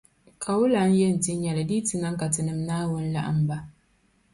Ka wula n-yɛn ti nyεli di yiti niŋ ka Tinim’ Naawuni laɣim ba.